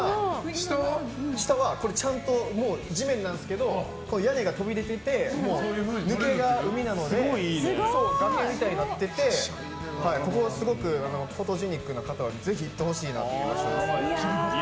下はちゃんと地面なんですけど屋根が飛び出ててそして海なので崖みたいになっててここはすごくフォトジェニックな方はぜひ行ってほしい場所です。